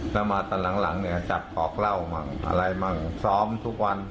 แล้วมาตอนหลังเนี่ยจับหกเล่ามากอะไรบ้างซ้อมซ้ายทุกวัน